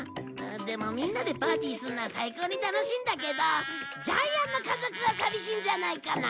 でもみんなでパーティーするのは最高に楽しいんだけどジャイアンの家族は寂しいんじゃないかな？